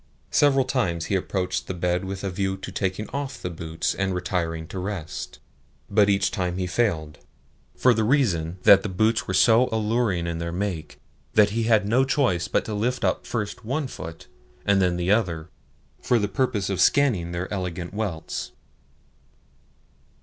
Several times he approached the bed with a view to taking off the boots and retiring to rest; but each time he failed, for the reason that the boots were so alluring in their make that he had no choice but to lift up first one foot, and then the other, for the purpose of scanning their elegant welts.